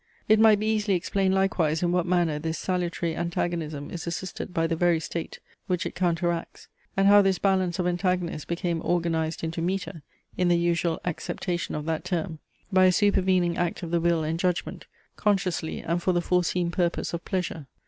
It might be easily explained likewise in what manner this salutary antagonism is assisted by the very state, which it counteracts; and how this balance of antagonists became organized into metre (in the usual acceptation of that term), by a supervening act of the will and judgment, consciously and for the foreseen purpose of pleasure.